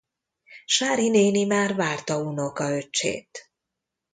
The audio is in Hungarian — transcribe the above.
Sári néni már várta unokaöccsét.